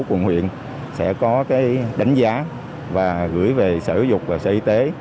trường huyện sẽ có đánh giá và gửi về sở giáo dục và sở y tế